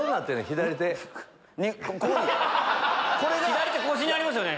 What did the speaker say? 左手腰にありますよね。